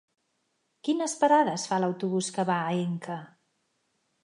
Quines parades fa l'autobús que va a Inca?